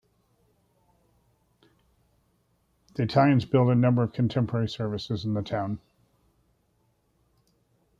The Italians built a number of contemporary services in the town.